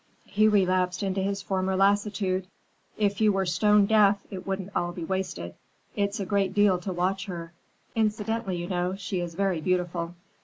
He relapsed into his former lassitude. "If you were stone deaf, it wouldn't all be wasted. It's a great deal to watch her. Incidentally, you know, she is very beautiful.